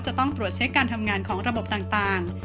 จะต้องตรวจเช็คการทำงานของระบบต่าง